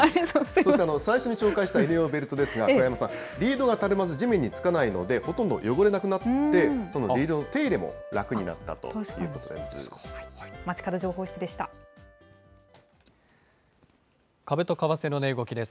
そして最初に紹介した犬用のベルトですが、桑山さん、リードがたるまず地面につかないので、ほとんど汚れなくなって、そのリードの手入れも楽になったということです。